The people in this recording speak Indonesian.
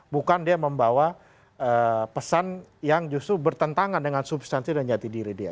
bukan dia membawa pesan yang justru bertentangan dengan substansi dan jati diri dia